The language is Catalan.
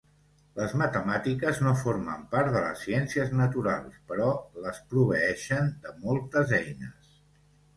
Les matemàtiques no formen part de les ciències naturals però les proveeixen de moltes eines.